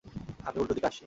আমি উল্টো দিকে আসছি।